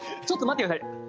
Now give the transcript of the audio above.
ちょっと待って下さい。